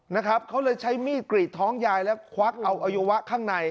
นะครับเขาเลยใช้มีดกรีดท้องยายแล้วควักเอาอวัยวะข้างใน